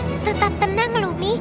shh tetap tenang lumi